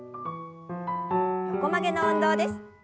横曲げの運動です。